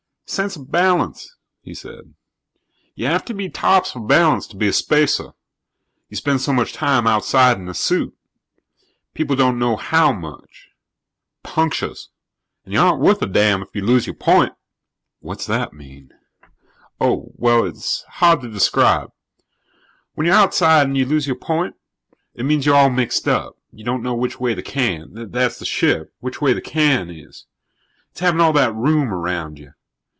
"Sense of balance," he said. "You have to be tops for balance to be a spacer you spend so much time outside in a suit. People don't know how much. Punctures. And you aren't worth a damn if you lose your point." "What's that mean?" "Oh. Well, it's hard to describe. When you're outside and you lose your point, it means you're all mixed up, you don't know which way the can that's the ship which way the can is. It's having all that room around you.